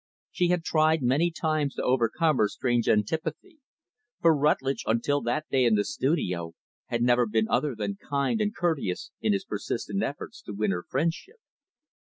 She had tried many times to overcome her strange antipathy; for Rutlidge, until that day in the studio, had never been other than kind and courteous in his persistent efforts to win her friendship.